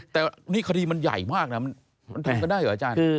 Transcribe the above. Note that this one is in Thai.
แต่นี่คดีมันใหญ่มากที่อาจารย์มันทำก็ได้เหรอ